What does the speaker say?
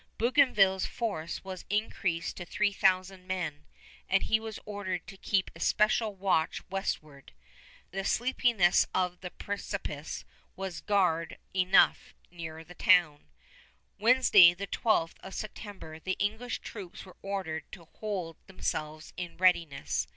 Bougainville's force was increased to three thousand men, and he was ordered to keep especial watch westward. The steepness of the precipice was guard enough near the town. Wednesday, the 12th of September, the English troops were ordered to hold themselves in readiness.